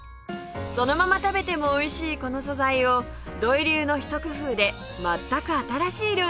そのまま食べてもおいしいこの素材を土井流のひと工夫で全く新しい料理に大変身！